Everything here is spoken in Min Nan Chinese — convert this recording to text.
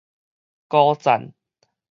孤棧